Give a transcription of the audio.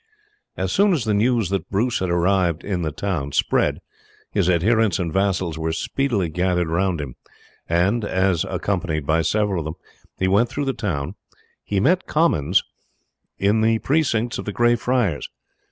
As soon as the news that Bruce had arrived in the town spread, his adherents and vassals there speedily gathered round him, and as, accompanied by several of them, he went through the town he met Comyn in the precincts of the Grey Friars.